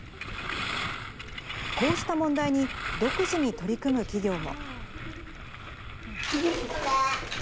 こうした問題に、独自に取り組む企業も。